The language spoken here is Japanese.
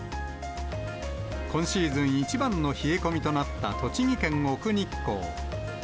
今シーズン一番の冷え込みとなった栃木県奥日光。